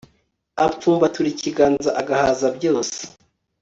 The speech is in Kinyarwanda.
Apfumbatura ikiganza agahaza byose